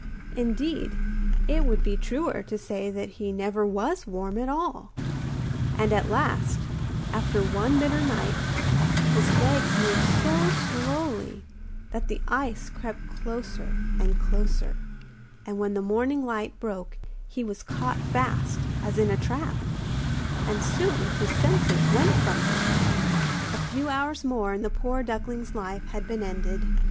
Indeed, it would be truer to say that he never was warm at all; and at last, after one bitter night, his legs moved so slowly that the ice crept closer and closer, and when the morning light broke he was caught fast, as in a trap; and soon his senses went from him. A few hours more and the poor duckling's life had been ended.